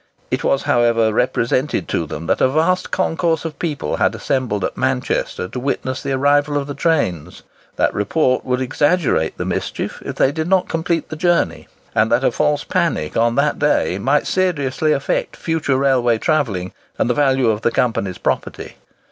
It was, however, represented to them that a vast concourse of people had assembled at Manchester to witness the arrival of the trains; that report would exaggerate the mischief, if they did not complete the journey; and that a false panic on that day might seriously affect future railway travelling and the value of the Company's property.